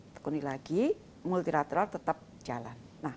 tekuni lagi multilateral tetap jalan